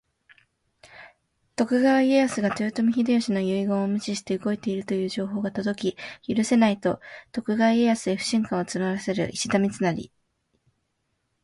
徳川家康が豊臣秀吉の遺言を無視して動いているという情報が届き、「許せない！」と徳川家康への不信感を募らせる石田三成。